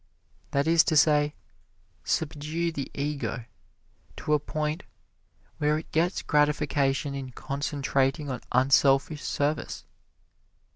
That is to say, subdue the ego to a point where it gets its gratification in concentrating on unselfish service.